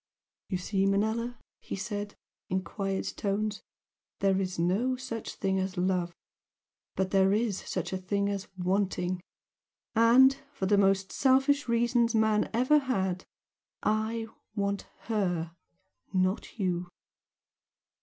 "You see, Manella?" he said, in quiet tones "There is no such thing as 'love,' but there is such a thing as 'wanting.' And for the most selfish reasons man ever had I want HER not you!"